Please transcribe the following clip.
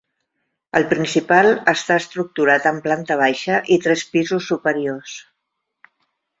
El principal està estructurat en planta baixa i tres pisos superiors.